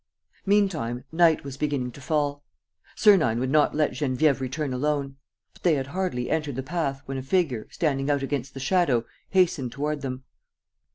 Meantime, night was beginning to fall. Sernine would not let Geneviève return alone. But they had hardly entered the path, when a figure, standing out against the shadow, hastened toward them.